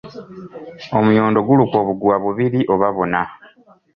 Omuyondo gulukwa obugwa bubiri oba buna.